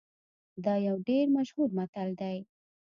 دا یو ډیر مشهور متل دی